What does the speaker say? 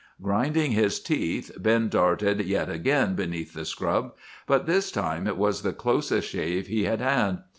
"Grinding his teeth, Ben darted yet again beneath the scrub, but this time it was the closest shave he had had.